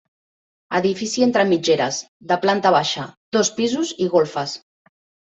Edifici entre mitgeres, de planta baixa, dos pisos i golfes.